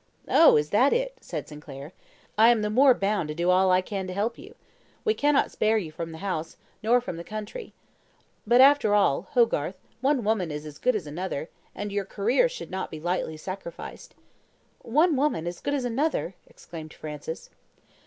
"Oh, is that it?" said Sinclair. "I am the more bound to do all I can to help you. We cannot spare you from the House, nor from the country. But, after all, Hogarth, one woman is as good as another, and your career should not be lightly sacrificed." "One woman as good as another!" exclaimed Francis.